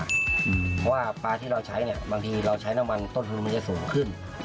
เพราะว่าปลาที่เราใช้เนี่ยบางทีเราใช้น้ำมันต้นทุนมันจะสูงขึ้น